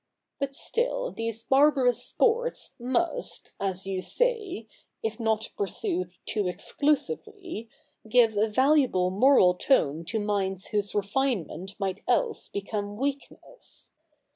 But still these barbarous sports must, as you say, if not pursued too exclusively, give a valuable moral tone to minds whose refinement might else become weakness.